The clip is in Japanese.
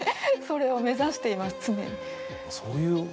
それを目指しています常に。